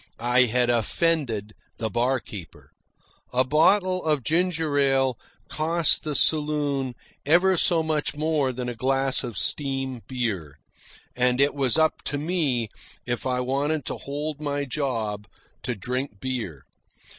I had offended the barkeeper. A bottle of ginger ale cost the saloon ever so much more than a glass of steam beer; and it was up to me, if I wanted to hold my job, to drink beer.